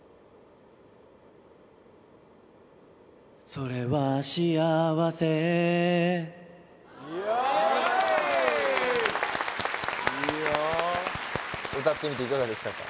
それは幸せ・いいよ歌ってみていかがでしたか？